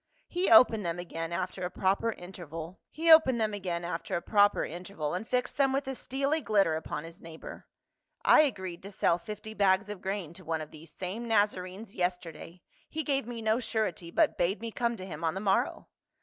He opened them again after a proper interval 254 PA UL. and fixed them with a steely glitter upon his neighbor. " I agreed to sell fifty bags of grain to one of these same Nazarenes yesterday ; he gave me no surety but bade me come to him on the morrow."